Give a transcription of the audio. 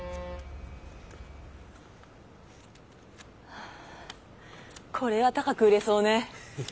はぁこれは高く売れそうね。